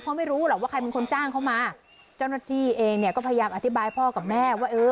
เพราะไม่รู้หรอกว่าใครเป็นคนจ้างเขามาเจ้าหน้าที่เองเนี่ยก็พยายามอธิบายพ่อกับแม่ว่าเออ